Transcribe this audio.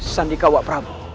sandika wak prabu